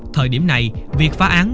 thời điểm này việc phá án